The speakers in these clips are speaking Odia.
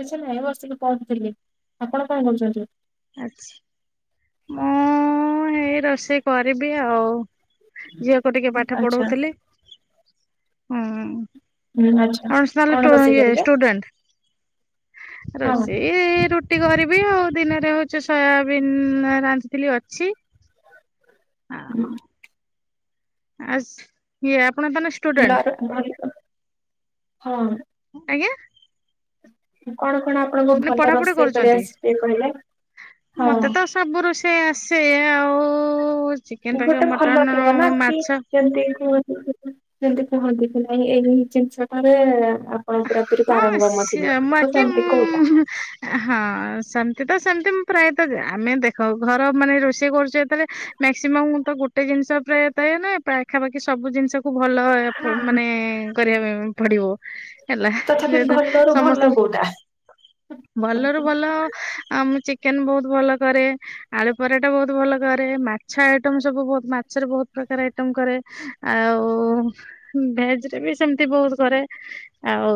କିଛି ନାଇଁ ବସିକି ପହଢୁଥିଲି, ଆପଣ କଣ କରୁଛନ୍ତି? ଆଛି। ମୁଁ-ଏଇ ରୋଷେଇ କରିବି ଆଉ। ଝିଅକୁ ଟିକେ ପାଠ ଆଚ୍ଛା ପଢଉଥିଲି, ଆଚ୍ଛା। ହୁଁ- କଣ ରୋଷେଇ [unintelligible] କରିବେ? ଷ୍ଟୁଡେଣ୍ଟ ହଁ। ରୋଷେଇ-ରୁଟି କରିବି ଆଉ ଦିନରେ ହଉଛି ସୋୟାବିନ୍ ଆ ରାନ୍ଧିଥିଲି ଅଛି। ହୁଁ। ଆସ୍, ଇଏ ଆପଣ ତାନେ [inaudible] ହଁ ଆଜ୍ଞା। କଣ କଣ ଆପଣଙ୍କୁ ମାନେ ଭଲ ପଢାପଢି ରୋଷେଇ କରି କରୁଛନ୍ତି। ଆସିବେ, କହିଲେ? ହଁ। ମତେ ତ ସବୁ ରୋଷେଇ ଆସେ, ଆଉ----ଚି ଗୋଟେ ଭଲ ଥିବ, ନା କି ଯେମିତି କୁହନ୍ତୁ ସେମିତି କୁହନ୍ତି କି ନାଇଁ ଏଇ ଜିନିଷଟାରେ ଆ ଆପଣ ପୁରାପୁରି ହଁ ପାରଙ୍ଗମ ସିଏ ଥିବେ, ତ ବାକି ସେମିତି କୋଉଟା? ଉଁ ହଁ, ସେମତି ତ ସେମତି ପ୍ରାୟତଃ ଆମେ ଦେଖ, ଘର ମାନେ ରୋଷେଇ କରୁଛେ ଯେତେବେଳେ ମାକ୍ସିମମ୍ ତ ଗୋଟେ ଜିନିଷ ପ୍ରାୟ ପାଏନା, ପାଖାପାଖି ସବୁ ଜିନିଷ କୁ ଭଲ ତୁ ମାନେ କରିବା ପାଇଁ ପଡ଼ିବ। ହେଲା, ତଥାପି ଯେହେତୁ ଭଲରୁ ଭଲ ସମସ୍ତ କୋଉଟା? ଭଲରୁୁ ଭଲ। ଆଉ ମୁଁ ଚିକେନ ବହୁତ ଭଲ କରେ। ଆଳୁ ପରଟା ବହୁତ ଭଲ କରେ, ମାଛ ଆଇଟମ୍ ସବୁ ବହୁତ ମାଛରେ ବହୁତ ପ୍ରକାର ଆଇଟମ କରେ। ଆଉ ଭେଜ ରେ ବି ସେମିତି ବହୁତ କରେ। ଆଉ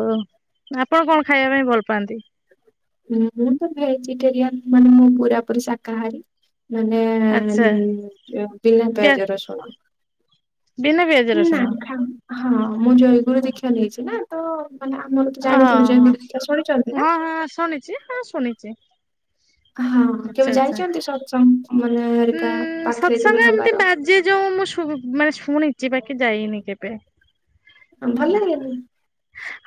ଆପଣ କଣ ଖାଇବା ପାଇଁ ଭଲ ପାଆନ୍ତି? ମୁଁ ତ ଭେଜିଟେରିୟନ ମାନେ ମୁଁ ପୁରାପୁରି ଶାକାହାରୀ। ମାନେ ଆଚ୍ଛା ବିନା ପିଆ ପିଆଜ ରସୁଣ। ବିନା ପିଆଜ ନା ରସୁଣ ଖା ହଁ ମୁଁ ଜୟଗୁରୁ ଦୀକ୍ଷା ନେଇଛି ନା ତ ମାନେ ଆମର ତ ଜାଣିଥିବ ଜୟ ଓହୋ ଗୁରୁ ଦୀକ୍ଷା ଶୁଣିଛନ୍ତି ନା। ଜି ହଁ ଶୁଣିଛି। ହଁ ଆଚ୍ଛା କେବେ ଆଚ୍ଛା ଯାଇଛନ୍ତି ସତ୍ସଙ୍ଗ? ଉଁ ସତ୍ସଙ୍ଗ ଏମିତି ବାଜେ ଯୋଉ ମୁଁ ମାନେ ଶୁଣିଚି ବାକି ଯାଇନି କେବେ? [unintelligible]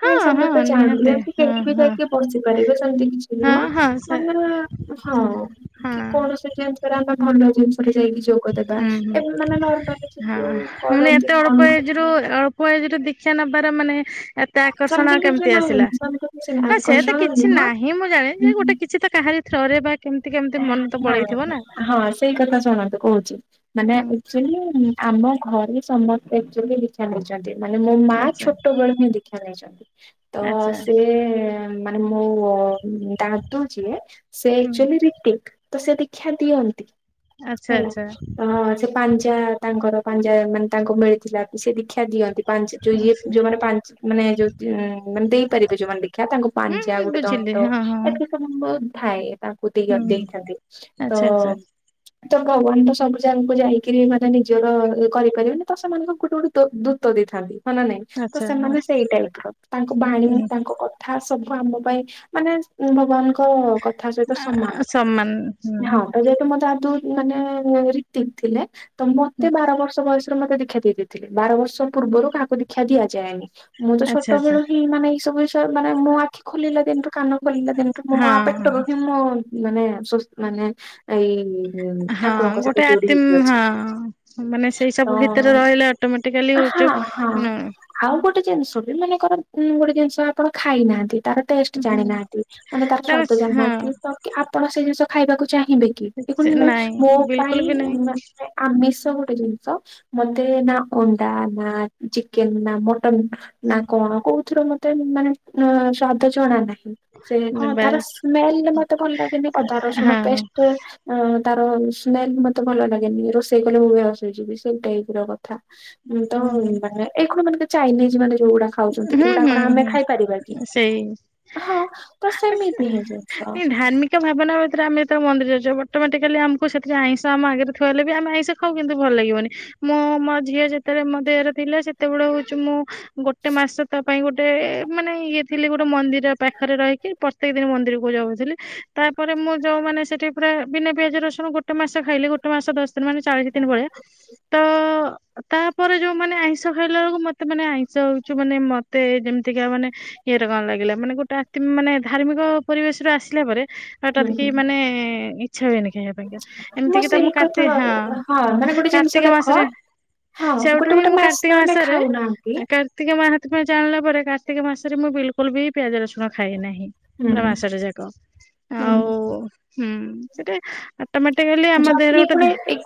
ହଁ ନାଇଁ ସମସ୍ତେ ହଁ ଚାହାନ୍ତି ନିହାତି ଏମତି ହଁ କେହି ବି ହଁ ଯାଇକି ବସିପାରିବେ ସେମିତି କିଛି ହଁ ନୁହଁ। ହଁ ସେ ମାନେ ହଁ ହଁ କି କୌଣସି ଜିନିଷରେ ଆମେ ଭଲ ଜିନିଷ ଯାଇକି ଯୋ ଗ ଦେବା ହୁଁ ହୁଁ ଏ ମାନେ ନର୍ମାଲ ଯୋଉ କରନ୍ତି କଣ କର [unintelligible] ମୁଁ ଆଜିଠୁ ଦୀକ୍ଷା ନବାର ମାନେ ତା ଆକର୍ଷଣ ସେମିତି କିଛି କେମିତି ନାହିଁ ଆସିଲା, ସେମିତି କିଛି ନା ନାହିଁ ସେ ତ ଆକର୍ଷଣ କିଛି ନୁହଁ। ନାହିଁ ମୁଁ ଜାଣେ, ଯେ ଗୋଟେ କିଛିତ କାହାରି ଥ୍ରୋ ରେ ବା କେମିତି କେମିତି ମନ ତ ନା ବଳେଇଥିବ ନା? ହଁ ସେଇ କଥା ଶୁଣନ୍ତୁ କହୁଛି ହୁଁ ମାନେଚୁ ଆମ ଘରେ ସମସ୍ତେ ଆକ୍ଚୁଲି ହଉ ଦିକ୍ଷା ନେଇଛନ୍ତି ମାନେ ମୋ ମା ଆଚ୍ଛା ଛୋଟ ବେଳକୁ ହିଁ ଦିକ୍ଷା ନେଇଛନ୍ତି ତ ଆଚ୍ଛା ସେ ମାନେ ମୋ ଦାଦୁ ଯିଏ ସେ ହୁଁ ଅକ୍ଚୁଲି ରି [unintelligible] ତ ସେ ଦିକ୍ଷା ଦିଅନ୍ତି ଆଚ୍ଛା ହେଲା ଆଚ୍ଛା ତ ସେ ପଞ୍ଜା ତାଙ୍କର ପାଞ୍ଜା ମାନେ ତାଙ୍କୁ ମିଳିଥିଲା ସେ ଦୀଖା ଦିଅନ୍ତି। ପଞ୍ଜ ଯ ଇଏ ଆଚ୍ଛା ଯୋଉମାନେ ପା ମାନେ ଯୋଉ ମାନେ ଦେଇପାରିବେ ଯୋଉମାନେ ଦିକ୍ଷା ତାଙ୍କୁ ହୁଁ ପାଞ୍ଜା ଆଉ ହୁଁ ଗୋଟେ ବୁଝିଲି ଦଣ୍ଟ। ହଁ ହଁ [unintelligible] ତାଙ୍କୁ ଦେଅ ହଁ ହୁଁ ଦେଇଛନ୍ତି ତ ଆଚ୍ଛା [inaudible] ତ ଭଗବାନ ତ ସବୁଜାଗାକୁ ଯାଇକିରି ମାନେ ନିଜର କରିପାରିବେନି ତ ସେମାନଙ୍କୁ ଗୋଟେ ଗୋଟେ ଦୂତ ଦେଇଥାନ୍ତି। ହ ନା ନାଇଁ ତ ଆଚ୍ଛା ସେମାନେ ଆଚ୍ଛା ସେଇ ଟାଇପ୍ ର ତାଙ୍କ ବାଣୀ ହୁଁ ତାଙ୍କ କ ଥା ସବୁ ଆମ ପାଇଁ ମାନେ ଭଗବାନଙ୍କ କଥା ସହିତ ସମାନ। ସମ୍ମାନ ହଁ ତ ଯେହେତୁ ମୋ ଦାଦୁ ମାନେ [unintelligible] ଥିଲେ ତ ମତେ ବାର ବର୍ଷ ବୟସ ମତେ ଦେଖା ଦେଇଥିଲେ ବାର ବର୍ଷ ପୂର୍ବରୁା କାହାକୁ ଦିକ୍ଷା ଦିଆଯାଏନି। ମୁଁ ତ ଆଚ୍ଛା ଆଚ୍ଛା ଛୋଟବେଳୁ ହିଁ ମାନେ ଏଇ ସବୁ ଜିନିଷ ମାନେଁ ଆଖି ଖୋଲଲା ଦିନଠୁ କାନ ଖୋଲିଲା ଦିନଠୁ ମୋ ମା ପେଟରୁ ହଁ ହିଁ ମୋ ମାନେସ୍ ମାନେ ଏଇ ହଁ ଠାକୁରଙ୍କ ଗୋଟେ ସହିତ ଯୋଡି ଆତି ହେଇକି ଅଛି। ହଁ ମାନେ ସେଇ ତ ସବୁ ଭିତରେ ରହିଲେ ଅ ଟୋମେଟିକାଲି ହଁ ହଉଛୁ ହଁ ହୁଁ। ଆଉ ଗୋଟେ ଜିନିଷ ବି ମାନେକର କୋଉ ଗୋଟେ ଜିନିଷ ଆପଣ ଖାଇନାହାନ୍ତି ତାର ଟେଷ୍ଟ ହୁଁ ଜାଣିନାହାନ୍ତି ମାନେ ତାର ସ୍ଵାଦ ଜାଣିନାହାନ୍ତି ତ କି ଆପଣ ସେ ଜିନିଷ ଖାଇବାକୁ ଚାହିଁବେ? କି [unintelligible] ନାଇଁ ମୋ ବିଲକୁଲ ପାଇଁ ବି ନାଇଁ ଆମିଷ ଗୋଟେ ଜିନିଷ। ମତେ ନା ଅଣ୍ଡା ନା ଚିକେନ ନା ମଟନ୍ ନା କଣ କୋଉଥିର ମତେ ମାନେ ସ୍ଵାଦ ଜଣା ନାହିଁ। ସେଇ ହଁ ତାର ବାସ୍ ସ୍ମେ ହଁ ଅଁ ତାର ସ୍ମେଲ ମତେ ଭଲ ଲାଗେନି ରୋଷେଇ କଲେ ମୁଁ ବେହୋସ ହେଇଯିବି ସେଇ ଟାଇପ୍ ର କଥା। ହୁଁ ତ ମାନେ ଏଇ କଣ ମାନେ ଯୋଉ ଚାଇନିଜ୍ ମାନେ ଯୋଉ ଗୁଡାକ ଖାଉଚନ୍ତି ହୁଁ ଏଇଗୁଡାକ ହୁଁ କଣ ଆମେ ହୁଁ ଖାଇପାରିବା କି। ହୁଁ ସେଇ ହଁ ତ ସେମିତି ହିଁ ଜିନିଷ। ଯୋଉ ଭାବନା ଆମ ଭିତରେ ଆମେ ଯେତେବେଳେ ମନ୍ଦିର ଯାଉଛେ ବଟୋମେଟିକାଲି ଆମକୁ ସେଠି ଆଇଁଷ ଆମ ଆଗରେ ଥୁଆ ହେଲେ ବି ଆମେ ଆଇଁଷ ହଉ କିନ୍ତୁ ଭଲ ଲାଗିବନି ମୁଁ ମୋ ଝିଅ ଯେତେବେଳେ ମୋ ଦେହେରେ ଥିଲା ସେତେବେଳେ ହଉଛି ମୁଁ ଗୋ ଟେ ମାସ ତା ପାଇଁ ଗୋଟେ ଏ ମାନେ ଇଏ ଥିଲି ଗୋଟେ ମନ୍ଦିର ପାଖରେ ରହିକି ପ୍ରତ୍ୟେକ ଦିନି ମନ୍ଦିରକୁ ଯାଉଥିଲି। ତାପରେ ମୁଁ ଯୋଉ ମାନେ ସେଠି ପୁରା ବିନା ପିଆଜ ରସୁଣ ଗୋଟେ ମାସେ ଖାଇଲି ଗୋ ଟେ ମାସ ଦଶ ଦିନ୍ ମାନେ ଚାଳିଶି ଦିନି ଭଳିଆ ତ ତାପରେ ଯୋଉ ମାନେ ଆଇଁଷ ଖାଇଲା ବେଳକୁ ମତେ ମାନେ ଆଇଁଷ ହଉଛୁ ମାନେ ମତେ ଯେମିତିକା ମାନେ ଇଏ ର କଣ ଲାଗିଲା ମାନେ ଗୋଟେ ଆ ମାନେ ଧାର୍ମିକ ପରିବେଶ ରୁ ଆସିଲା ପରେ ଆଉ ତ ହୁଁ କି ହୁଁ। ମାନେ ଇଚ୍ଛା ହୁଏନି ଖାଇଆକୁ। ପାଇଁ କା ଏମିତି କିି ତ ସେଇ ମୁଁ କଥା କାର୍ତ୍ତି ହଁ ହଁ ମାନେ ଗୋଟେ ଜିନିଷ କାର୍ତ୍ତିକ ଦେଖ ମାସରେ ହଁ ସେଇଠୁ ଗୋଟେ ହିଁ ଗୋଟେ ମୁଁ ମାସ କାର୍ତ୍ତିକ ତ ଆମେ ମାସରେ ଖାଉନାହାନ୍ତି ଏଁ କା ର୍ତ୍ତିକ ମାହାତ୍ମ୍ୟ ଜାଣିଲା ପରେ କାର୍ତ୍ତିକ ମାସରେ ମୁଁ ବିଲକୁଲ ବି ପିଆଜ ରସୁଣ ଖାଏ ନାହିଁ। ହୁଁ ପୁରା ମାସଟେ ଯାକ ହୁଁ। ଆଉ ହୁଁ। ସେଇଟା ଅଟୋମେଟିକାଲି ଆମ ଦେହରେ ଗୋଟେ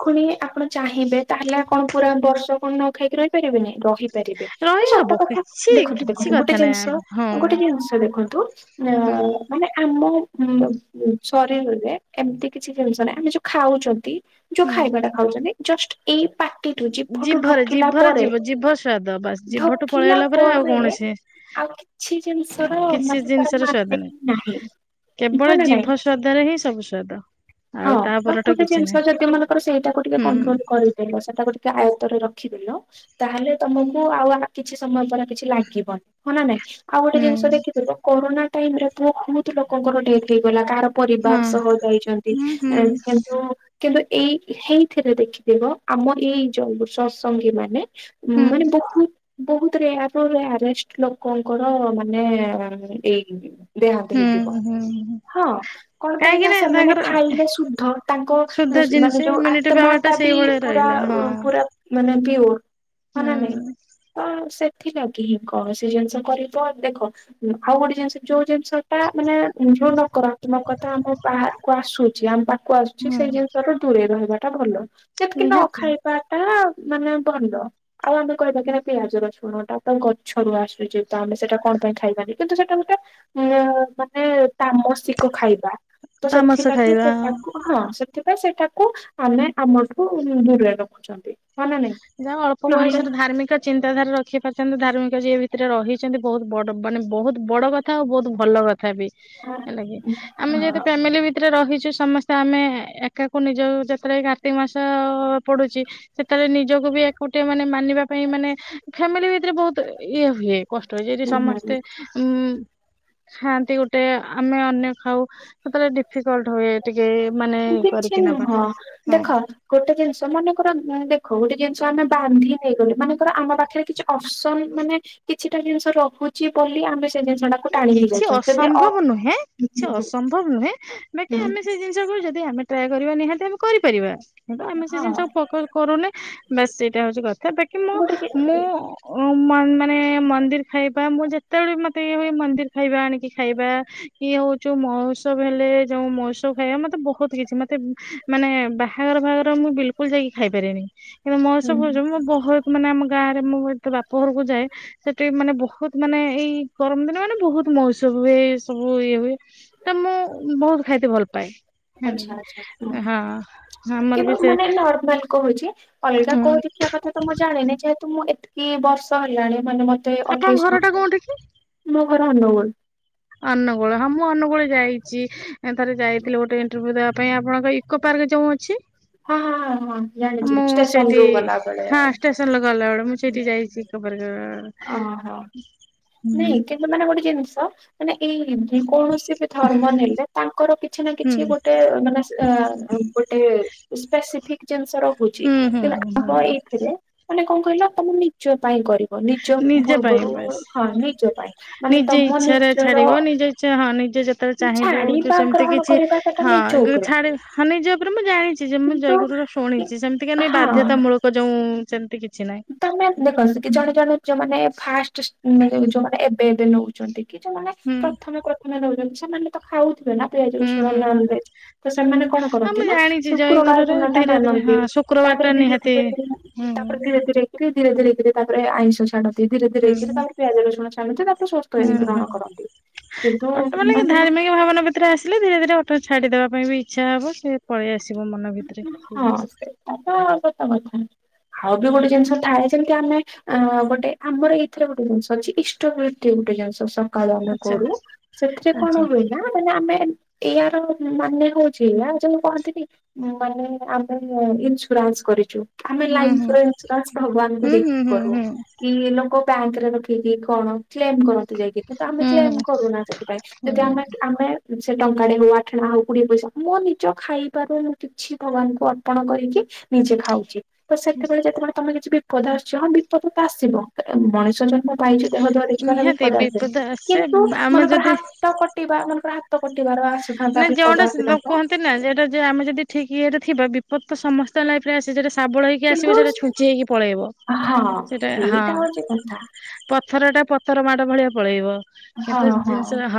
ଖୁଡୀ ଆପଣ ଚାହିଁବେ ତାହେଲେ କଣ ପୁରା ବର୍ଷ କଣ ନ ଖାଇକି ରହିପାରିବେନି ରହିପାରିବେ। ସତ ରହିହବ କଥା କିଛି ଦେଖନ୍ତୁ କିଛି ଦେଖନ୍ତୁ ଗୋଟେ କଥା ଜିନିଷ ନାହିଁ ହଁ ଗୋଟେ ଜିନିଷ ଦେଖନ୍ତୁ ଅ ହୁଁ। ମାନେ ଆମ ଉଁ ଶରୀରରେ ଏମିତି କିଛି ଜିନିଷ ନାହିଁ ଆମେ ଯୋଉ ଖାଉଚନ୍ତି। ଯୋଉ ହୁଁ ଖାଇବାଟା ଖାଉଚନ୍ତି ଜଷ୍ଟ ଏଇ ପା ଟି ରୁ ଜିଭଠୁ ଜିଭରେ ଢୋକିଲା ଜିଭରେ ପରେ ଜିଭ ଜିଭ ସ୍ୱାଦ ବାସ୍ ଜିଭଠୁ ଢୋକିଲା ପଳେଇଗଲା ଆଉ ପରେ କୌଣସି ଆଉ କି ଛି ଜିିନିଷର କିଛି ମାନେ ତାର ଜିନିଷର ସ୍ଵାଦ ମାନେ ହିଁ ନାହିଁ। ହଁ କେବଳ ନା ନାଇଁ ଜିଭ ସ୍ଵାଦରେ ହିଁ ସବୁ ସ୍ୱାଦ। ହଁ ତ ଗୋଟେ ଜିନିଷ ଯଦି ମନେକର ସେଇଟାକୁ ଟିକେ ହୁଁ କଣ୍ଟ୍ରୋଲ କରି ଦେଲ ସେଟାକୁ ଟିକେ ଆୟତରେ ରଖିଦେଲ। ତାହେଲେ ତମକୁ ଆଉ ଆ କିଛି ସମୟ ପରେ କିଛି ଲାଗିବନି। ହଁ ନା ନାଇଁ ଆଉ ଗୋଟେ ଜିନିଷ ହୁଁ ଦେଖିଥିବ କରୋନା ଟାଇମ୍ ରେ ପୁଅ ବହୁତ ଲୋକଙ୍କର ଡେଥ୍ ହେଇଗଲା କାହାର ହଁ ପରିବାର ସହ ଯାଇଚନ୍ତି ହୁଁ ହୁଁ ଏଁ ଯେଉ କିନ୍ତୁ ଏଇ ହେଇଥିରେ ଦେଖିଥିବ ଆମ ଏଇ ଯୋଉ ସସଙ୍ଗୀ ମାନେ ହୁଁ ମାନେ ବହୁତ୍ ବହୁତ ରେୟାର ରୁ ରେୟାରେଷ୍ଟ ଲୋକଙ୍କର ମାନେ ଉଁ ଏଇ ଦେହାନ୍ତ ହୁଁ ହେଇଥିବ। ହୁଁ ହୁଁ। ହଁ କଣ ପାଇଁ କାହିଁକି ନା ସେମାନେ ତାଙ୍କର ଖାଇଲେ ଶୁଦ୍ଧ ତାଙ୍କ ଉ ଶୁଦ୍ଧ ଜିନିଷ ମାନେ ଯୋଉ ଇମ୍ୟୁନିଟି ଆତ୍ମା ପାୱାର ଟା ବି ସେଇଭଳିଆ ପୁରା ରହିଲା ଉ ହଁ। ପୁରା ମାନେ ପିଓର୍ ହଁ ନା ନାଇଁ? ହୁଁ ହଁ ସେଥିଲାଗି ହିଁ କୌଣସି ଜିନିଷ କରିବ ଦେଖ ହୁଁ ଆଉ ଗୋଟେ ଜିନିଷ ଯୋଉ ଜିନିଷ ଟା ମାନେ ଉଁ ଯୋଉ ନ କରନ୍ତି ମୋ କଥା ଆମ ବାଆ କୁ ଆସୁଛି ଆମ ପାଖକୁ ଆସୁଛି ହୁଁ ସେଇ ଜିନିଷଠୁ ଦୂରେଇ ରହିବା ଟା ଭଲ। ଯେତିକି ନ ନିହାତି ଖାଇବା ଟା ମାନେ ଭଲ। ଆଉ ଆମେ କହିବା କି ନାଇ ପିଆଜ ରସୁଣ ଟା ତ ଗଛରୁ ଆସୁଚି ତ ଆମେ ସେଇଟା କଣ ପାଇଁ ଖାଇବାନି କିନ୍ତୁ ସେଇଟା ଗୋଟେ ଅଁ ମାନେ ତାମସିକ ଖାଇବା ତ ତାମସ ସେଥିଲାଗି ଖାଇବା। ସେ ତାକୁ ହଁ ସେଥିପାଇଁ ସେଇଟାକୁ ଆମେ ଆମଠୁ ଦୂରରେ ରଖୁଛନ୍ତି। ହଁ ନା ନାଇଁ ଯାହା ହଉ ଅଳ୍ପ ନହେଲେ ବୟସରେ ଧାର୍ମିକ ଚିନ୍ତା ଧାରା ରଖି ପାରିଚନ୍ତି ଧାର୍ମିକ ଯିଏ ଭିତରେ ରହିଚନ୍ତି ବହୁତ ବଡ ମାନେ ବହୁତ ବଡ କ ଥା ଆଉ ବହୁତ ଭଲ କଥା ବି ହେଲାକି। ଆମେ ଯେହେତୁ ହୁଁ ଫ୍ୟାମିଲି ଭିତରେ ରହିଛୁ ସମସ୍ତେ ଆମେ ଏକାକୁ ନିଜ ଯାତ୍ରା କା ର୍ତ୍ତିକ୍ ମାସ ପଡୁଚି ସେତବେଳେ ନିଜକୁ ବି ଏକୁଟିଆ ମାନେ ମାନିବା ପାଇଁ ମାନେ ଫ୍ୟାମିଲି ଭିତରେ ବହୁତ ଇଏ ହୁଏ କଷ୍ଟ ଯଦି ସମସ୍ତେ ଉଁ ଖାଆନ୍ତି ଗୋଟେ ଆମେ ଅନ୍ୟ ଖାଉ ସେତେବେଳେ ଡିଫିକଲଟ୍ ହୁଏ। ଟିକେ ମାନେ କିଛି କରିକି ନବା ନୁହଁ ହଁ। ଦେଖ ଗୋଟେ ଜିନିଷ ମନେକର ଦେଖ ଗୋଟେ ଜିନିଷ ଆମେ ବାନ୍ଧି ନେଇଗଲେ ମନେକର ଆମ ପାଖରେ କିଛି ଅପସନ୍ ମାନେ କିଛିଟା ଜିନିଷ ରହୁଚି ବୋଲି ଆମେ ସେ ଜିନି ନା କିଛି ଅସମ୍ଭବ ନୁହେଁ ହୁଁ କିଛି ହୁଁ, ଅସମ୍ଭବ ନୁହେଁ ବାକି ହୁଁ, ଆମେ ସେ ଜିନିଷ କୁ ଯ ଦି ଆମେ ଟ୍ରାଏ କରିବା ନିହାତି ଆମେ କରିପାରିବା। କିନ୍ତୁ ଆମେ ସେ ହଁ ଜିନିଷକୁ ଫୋକେଶ୍ କରୁନେ। ବାସ୍ ସେଇଟା ହୋଉଚି କଥା ବାକି ମୁଁ ଗୋଟେ କି- ମୁଁ ଓ ମାନେ ମନ୍ଦିର୍ ଖାଇବା ମୁଁ ଯେତେବେଳେ ମତେ ଇଏ ହୁଏ ମନ୍ଦିର୍ ଖାଇବା ଆଣିକି ଖାଇବା। ଇଏ ହୋଉଚି ମହୋତ୍ସବ ହେଲେ ଯୋଉ ମହୋତ୍ସବ ଖାଇବା ମତେ ବୋହୁତ କିଛି ମତେ ମାନେ ବାହାଘର ଫାହାଘର ମୁଁ ବିଲକୁଲ ଯାଇକି ଖାଇପାରେନି କିନ୍ତୁ ହୁଁ ମହୋତ୍ସବ ଫହୋତ୍ସବ ମୁଁ ବୋହତ୍ ମାନେ ଆମ ଗାଁରେ ମୁଁ ଏତେ ବାପ ଘରକୁ ଯାଏ ସେଠି ମାନେ ବୋହୁତ ମାନେ ଏଇ ଗରମ ଦିନ ମାନେ ବୋହୁତ ମହୋତ୍ସବ ‌ହୁଏ ସବୁ ଇଏ ହୁଏ। ତ ମୁଁ ବୋହୁତ ଖାଇତେ ଭଲ ପାଏ। ଆଚ୍ଛା ହେଲାକି ଆଚ୍ଛା ହଁ। ଆମର ବି କିନ୍ତୁ ସେ ମାନେ ନର୍ମାଲ କୋହୁଚି ଅଲଗା କୋଉଠି ଖିଆ କଥା ତ ମୁଁ ଜାଣିନି ଯେହେତୁ ମୁଁ ଏତିକି ବର୍ଷ ହେଲାଣି ମାନେ ମ ତେ ଆପଣଙ୍କ ଅଠେଇଶି ଘର ଟା ବର୍ଷ କୋଉଠି କି? ମୋ ଘର ଅନୁଗୁଳ। ଅନୁଗୁଳ ହଁ ମୁଁ ଅନୁଗୁଳ ଯାଇଚି ଥରେ ଯାଇଥିଲି ଗୋଟେ ଇ ଣ୍ଟରଭିଉ ଦେବା ପାଇଁ ଆପଣଙ୍କ ଇକୋ ପାର୍କ ଯୋଉ ଅଛି। ହଁ ହଁ ହଁ ଜାଣିଚି ଷ୍ଟେସନରୁ ଗଲା ବେଳେ ଟ୍ରେନରେ ଗଲା ବେଳେ ମୁଁ ସେଇଠି ଯାଇଚି [unintelligible] ଓହୋ। ହଁ ନାଇଁ କିନ୍ତୁ ମାନେ ଗୋଟେ ଜିନିଷ ମାନେ ଏଇ ଯେ କୌଣସି ବି ଧର୍ମ ନେଲେ ତାଙ୍କର କିଛି ନା ହୁଁ କିଛି ଗୋଟେ ମାନେ ଗୋଟେ ସ୍ପେସିଫିକ୍ ଜିନିଷ ରହୁଚି ହୁଁ କିନ୍ତୁ ହୁଁ ହୁଁ ଆମ ଏଇଥିରେ ମାନେ କଣ କହିଲ ତମ ନିଜ ପାଇଁ କରିବ ନିଜ ପାଇଁ ପୂର୍ବରୁ ବାସ୍। ହଁ ନିଜ ପାଇଁ ମାନେ ତମ ନିଜର ନିଜ ଇଚ୍ଛା ହଁ ନିଜ ଜାତି ଯେତେବେଳେ ଚାହିଁବୁ ଯୋଉ ଛାଡିବା ସେମିତି ଗ୍ରହଣ କିଛି କରିବା ସେଟା ହଁ ନିଜ ଗୁରେ ଉପରେ ଛାଡିବୁ ହଁ ନିଜ ଉପରେ ମୁଁ ଜାଣିଚି ଯେ ମୁଁ କିନ୍ତୁ ଜୟଗୁରୁର ଶୁଣିଚି ସେମିତିକା ନାଇଁ ହଁ ବାଧ୍ୟତାମୂଳକ ଯୋଉଁ ସେମିତି କିଛି ନାହିଁ। ତମେ ଦେଖ କି ଜଣେ ଜଣେ ଯୋଉମାନେ ଫାଷ୍ଟ ମାନେ ଯୋଉମାନେ ଏବେ ଏବେ ନୋଉ ଚନ୍ତି କି ଯୋଉମାନେ ହୁଁ ପ୍ରଥମେ ପ୍ରଥମେ ନୋଉଚନ୍ତି ସେମାନେ ତ ଖାଉଥିବେ ନା ପିଆଜ ହୁଁ ରସୁଣ ନନ୍ ହୁଁ। ଭେଜ ତ ସେମାନେ କଣ ହଁ ମୁଁ କରନ୍ତି ନା ଶୁକ୍ରବାର ଦିନଟା ମାନନ୍ତି। ତାପରେ ଶୁକ୍ରବାରଟା ଧୀରେ ନିହାତି ଧୀରେ ହୁଁ ତାପରେ ଧୀରେ ଧୀରେକି ଧୀରେ ଧୀରେକି ତାପରେ ଆଇଁଷ ଛାଡ ଧୀ ଧୀରେ ହୁଁ ଧୀରେଇ ଧୀରେ ତାଙ୍କେ ପିଆଜ ରସୁଣ ଛାଡନ୍ତି ତାପରେ ହୁଁ [unintelligible] ହୁଁ। ଗ୍ରହଣ କରନ୍ତି। କିନ୍ତୁ ଅଟୋମେଟିକ ମାନେ ଧାର୍ମିକ [unintelligible] ଆସିଲେ ଧୀରେ ଧୀରେ ଅଟୋମେଟିକ ଛାଡିଦବା ପାଇଁ ବି ଇଚ୍ଛା ହବ ସେ ପଳେଇ ଆସିବ ମନ ଭି ହଁ ସେଟା ତ ସତ କଥା ଆଉ ବି ଗୋଟେ ହୁଁ ଜିନିଷ ଥାଏ ଯେମିତି ଆମେ ଆ ଗୋଟେ ଆମର ଏଇଥିରେ ଗୋଟେ ଜିନିଷ ଅଛି। ଇଷ୍ଟବୃତି ଗୋଟେ ଜିନିଷ ସ କାଳୁ ଆମେ ଆଚ୍ଛା କରୁ ସେଥିରେ କଣ ଆଚ୍ଛା ହୁଏ। ନା ମାନେ ଆମେ ଏମି ଇଆର ମାନେ ହୋଉଚି ଏଇଆ ଯୋଉ କୁହନ୍ତିନି ମାନେ ଆମେ ଇନ୍ସୁରାନ୍ସ କରିଚୁ। ଆମେ ହୁଁ ହୁଁ ଲାଇଫର ଇନ୍ସୁରାନ୍ସ ଭଗବାନଙ୍କୁୁ ହୁଁ ଦେଇକି ହୁଁ ହୁଁ କରୁ। ହୁଁ। କି ଲୋକ ବ୍ୟାଙ୍କରେ ରଖିକି କଣ କ୍ଲେମ କରନ୍ତିୁ ଯାଇକି। କିନ୍ତୁ ଆମେ ହୁଁ ହୁଁ କ୍ଳେମ କରୁନା ସେଥିପାଇଁ ଯଦି ହୁଁ। ଆମେ ଆମେ ସେ ଟଙ୍କାଟେ ହୋଉ ଆଠଣା ହୋଉ କୋଡିଏ ପଇସା ହୋଉ ମୋ ନି ଜ ଖାଇବାରୁ ମୁଁ କିଛି ଭଗବାନଙ୍କୁ ଅର୍ପଣ କରିକି ନିଜେ ଖାଉଚି। ତ ସେତେବେଳେ ଯେତେବେଳେ ତମେ କିଛି ବିପଦ ଆସୁଚି ହଁ ବିପଦ ତ ଆସିବ ମଣିଷ ଜ ନ୍ମ ପାଇଚୁ ଦେହ ଧରିଚୁ ମାନେ ନିହାତି ବିପଦ ଆସେ ଆସେ କିନ୍ତୁ ଆମେ ମନେକର ଯଦି ହା ତ କଟିବା ମନେକର ହାତ କଟିବାର ଆ ନା ଯୋଉଁଟା ଯୋଉ କୁହନ୍ତି ନା ଯେଟା ଯେ ଆମେ ଯଦି ଠିକ ଇଏରେ ଥିବା ବିପତ୍ ତ ସମସ୍ ତ ଲାଇଫ୍ ରେ ଆସେ ଯେଟା ଶାବଳ ହେଇକି କିନ୍ତୁ ଆସିବ ସେଟା ଛୁଞ୍ଚି ହେଇକି ପଳେଇବ। ହଁ ସେଟା ହଁ ହେଇଟା ହଉଛି କଥା। ପଥର ଟା ପତର ମାଡ଼ ଭଳିଆ ପଳେଇବ। ହଁ, କିନ୍ତୁ ହଁ ଜିନିଷ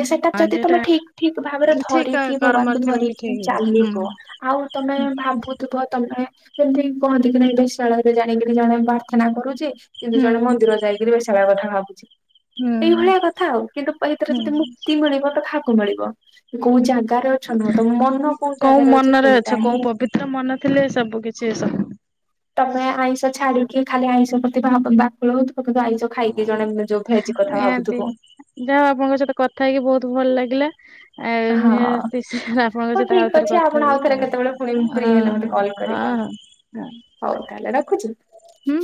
ଯେ ସେଟା ହଁ ଯଦି ଯେଟା ତୋମେ ଠିକ ଠିକ ଭାବରେ ଠିକ ଧରିକି ଭଗବାନଙ୍କୁ କର୍ମରେ ଥିବ କି ଧରିକି ଠିକ ହୁଁ ଚାଲିବ। ଆଉ ତୋମେ ଭାବୁ ଥୁବ ତୋମେ ଏମିତି କହନ୍ତି କି ନାାଇଁ ବେଶ୍ୟାଳୟ ରେ ଜାଣିକିରି ଜଣେ ପ୍ରାର୍ଥନା କରୁଛି। କିନ୍ତୁ ହୁଁ ଜଣେ ମନ୍ଦିର ଯାଇକିରି ବେଶ୍ୟାଳୟ କଥା ଭାବୁଛି। ହୁଁ ଏଇଭଳିଆ କଥା ଆଉ। କିନ୍ତୁ ଏଇଥିରେ ହୁଁ ଯଦି ମୁକ୍ତି ମିଳିବ ତ କହାକୁ ମିଳିବ? କୋଉ ଜାଗାରେ ଅଛ ନ, ତୋମ ମନ କୋଉ ଜାଗାରେ ଅଛି ସେଇଟା ହିଁ ତ ମନ ଥିଲେ ସବୁ କିଛି ଏ ସବୁ। ତୋମେ ଆଇଁଷ ଛାଡିକି ଖାଲି ଆଇଁଷ ପ୍ରତି ଭାବ ବାକୁଳ ହଉଥୁବ। କିନ୍ତୁ ଆଇଁଷ ଖାଇକି ହଁ। ଜଣେ ଯୋଉ ଭେଜ କଥା ଭାବୁଥୁବ। ଯା ଆପଣଙ୍କ ସହିତ କଥା ହେଇକି ବହୁତ ଭଲ ଲାଗିଲା। ଆଉ ହଁ ନିହାତି ସ- ଆପଣଙ୍କ ହଉ ସହିତ ଠିକ ଆଉଥରେ ଅଛି କଥା ଆପଣ ହେଇ ଆଉଥରେ ହଁ କେତେବେଳେ ପୁଣି ହଁ, ଫ୍ରି ହେଲେ ମତେ ଓ, କଲ୍ କରିବେ। ହଁ। ହଁ ହଉ ତାହେଲେ ରଖୁଛୁ। ହୁଁ।